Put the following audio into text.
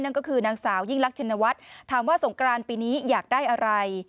นั่นก็คือนางสาวยิ่งรักชินวัฒน์ถามว่าสงกรานปีนี้อยากได้อะไร